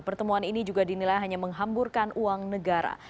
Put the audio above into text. pertemuan ini juga dinilai hanya menghamburkan uang negara